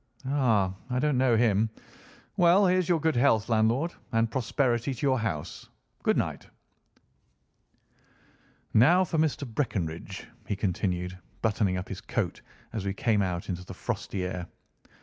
"Ah! I don't know him. Well, here's your good health landlord, and prosperity to your house. Good night." "Now for Mr. Breckinridge," he continued, buttoning up his coat as we came out into the frosty air.